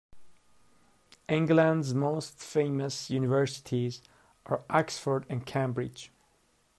England’s most famous universities are Oxford and Cambridge